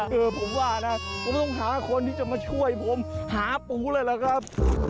ผมว่านะก็ต้องหาคนที่จะมาช่วยผมหาปูเลยล่ะครับ